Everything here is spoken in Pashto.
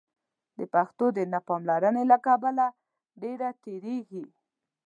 د پښتو د نه پاملرنې له کبله ډېره تېرېږي.